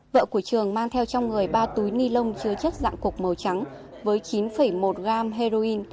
vợ của trường mang theo trong người ba túi ni lông chứa chất dạng cục màu trắng với chín một gram heroin